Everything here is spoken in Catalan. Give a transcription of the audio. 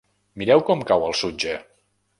Mireu com cau el sutge.